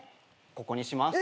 ここにします。え！？